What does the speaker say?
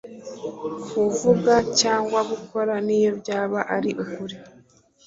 kuvuga cyangwa gukora, niyo byaba ari ukuri